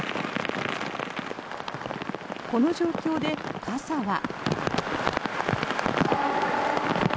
この状況で、傘は。